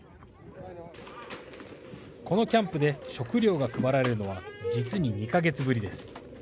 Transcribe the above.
このキャンプで食料が配られるのは実に２か月ぶりです。